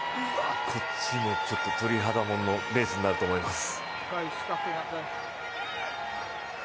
こっちも鳥肌もののレースになると思います。